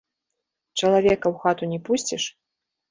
Чалавека ў хату не пусціш?